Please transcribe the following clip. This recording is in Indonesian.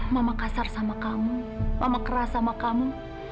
mama kasar sama kamu mama keras sama kamu